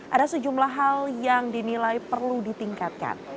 ada sejumlah hal yang dinilai perlu ditingkatkan